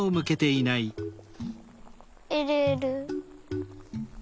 えるえる。